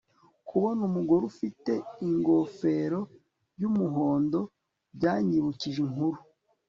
kubona umugore ufite ingofero yumuhondo byanyibukije inkuru